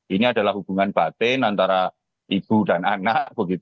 ini adalah hubungan batin antara ibu dan anak